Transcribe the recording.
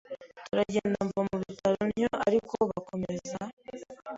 turagenda mva mu bitaro ntyo ariko bakomeza